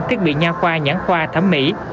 thiết bị nha khoa nhãn khoa thẩm mỹ